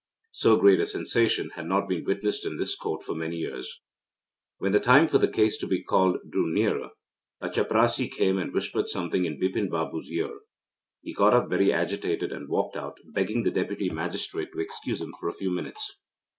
So great a sensation had not been witnessed in this Court for many years. When the time for the case to be called drew near, a chaprassi came and whispered something in Bipin Babu's ear. He got up very agitated and walked out, begging the Deputy Magistrate to excuse him for a few minutes.